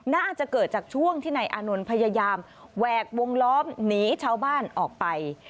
น่าจะเกิดจากช่วงที่นายอานนท์พยายามแหวกวงล้อมหนีชาวบ้านออกไป